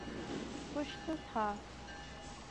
کچھ تو تھا۔